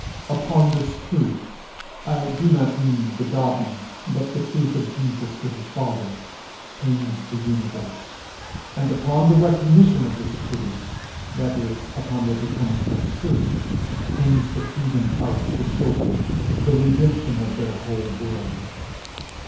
Upon this truth I do not mean the dogma, but the truth itself of Jesus to his father hangs the universe; and upon the recognition of this truth that is, upon their becoming thus true hangs the freedom of the children, the redemption of their whole world.